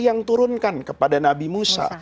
yang turunkan kepada nabi musa